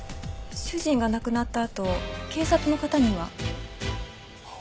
主人が亡くなったあと警察の方には。